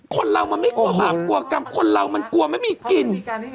คนเรามันไม่กลัวหาบกลัวกรรมคนเรามันกลัวไม่มีกิน